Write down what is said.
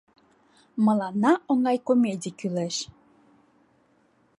Мыланна оҥай комедий кӱлеш.